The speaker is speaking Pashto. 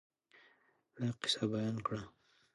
دا قصه بیان کړه.